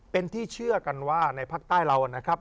เป็นที่เชื่อกันว่าในภาคใต้เรานะครับ